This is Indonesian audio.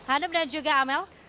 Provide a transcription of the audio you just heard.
anup dan juga amel